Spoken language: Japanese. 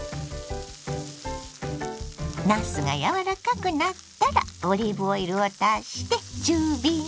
なすが柔らかくなったらオリーブオイルを足して中火に。